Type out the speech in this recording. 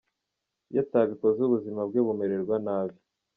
Iyo atabikoze ubuzima bwe bumererwa nabi.